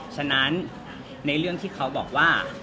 ฉะนั้นในเรื่องที่เขาบอกว่า